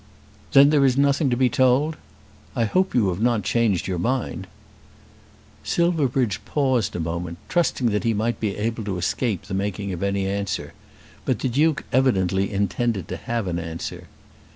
"Then there is nothing to be told? I hope you have not changed your mind." Silverbridge paused a moment, trusting that he might be able to escape the making of any answer; but the Duke evidently intended to have an answer.